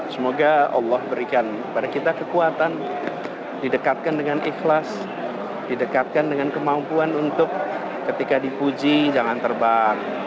semoga allah berikan kepada kita kekuatan didekatkan dengan ikhlas didekatkan dengan kemampuan untuk ketika dipuji jangan terbang